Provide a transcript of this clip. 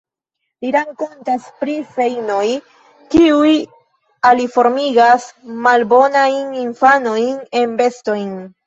Li rakontas pri feinoj, kiuj aliformigas malbonajn infanojn en bestojn.